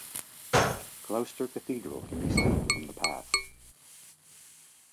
Gloucester Cathedral can be seen from the path.